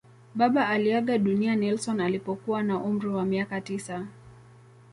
Baba aliaga dunia Nelson alipokuwa na umri wa miaka tisa.